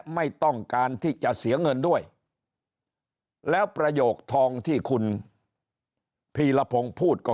ไม่ต้องการที่จะเสียเงินด้วยแล้วประโยคทองที่คุณพีรพงศ์พูดก็